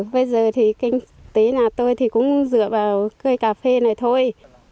bây giờ thì kinh tế nhà tôi cũng dựa vào cây cà phê này thôi